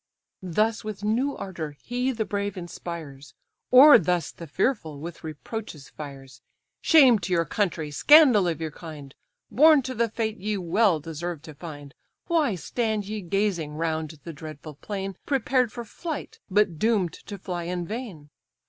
Thus with new ardour he the brave inspires; Or thus the fearful with reproaches fires: "Shame to your country, scandal of your kind; Born to the fate ye well deserve to find! Why stand ye gazing round the dreadful plain, Prepared for flight, but doom'd to fly in vain?